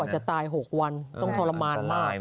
กว่าจะตายหกวันต้องทรมานมาก